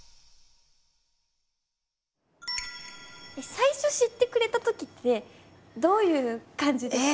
最初知ってくれたときってどういう感じでしたか？